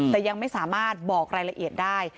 แต่ยังไม่สามารถบอกรายละเอียดได้